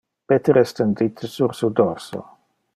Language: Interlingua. Peter es tendite sur su dorso.